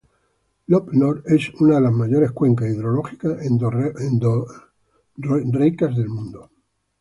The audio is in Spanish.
Lop Nor es una de las mayores cuencas hidrológicas endorreicas del mundo.